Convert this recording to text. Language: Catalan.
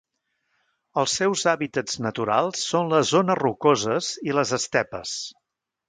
Els seus hàbitats naturals són les zones rocoses i les estepes.